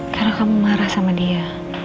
karena kamu marah sama dia